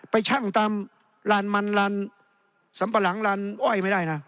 ชั่งตามลานมันลานสำปะหลังลานอ้อยไม่ได้นะ